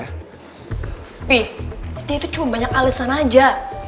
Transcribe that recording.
wih dia itu cuma banyak alesan aja